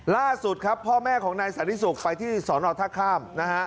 ล่าสุดครับพ่อแม่ของนายศาลนิสุกไปที่สอนออกท่าข้าม